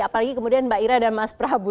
apalagi kemudian mbak ira dan mas prabu